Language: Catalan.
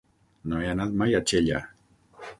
No he anat mai a Xella.